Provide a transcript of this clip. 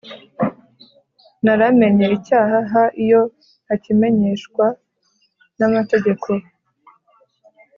naramenye icyaha h iyo ntakimenyeshwa n Amategeko